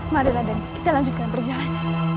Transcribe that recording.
mari london kita lanjutkan perjalanan